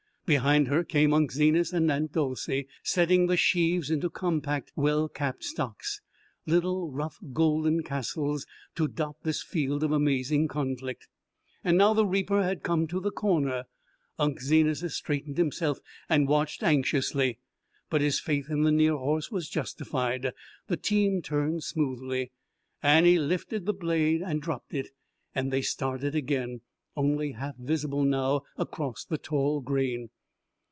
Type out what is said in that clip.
Behind her came Unc' Zenas and Aunt Dolcey, setting the sheaves into compact, well capped stocks, little rough golden castles to dot this field of amazing conflict. And now the reaper had come to the corner. Unc' Zenas straightened himself and watched anxiously. But his faith in the near horse was justified the team turned smoothly, Annie lifted the blade and dropped it, and they started again, only half visible now across the tall grain.